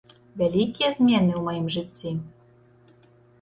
Вялікія змены ў маім жыцці!